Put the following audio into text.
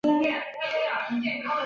后恢复为云南提督府衙门。